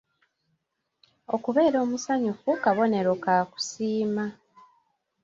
Okubeera omusanyufu kabonero ka kusiima.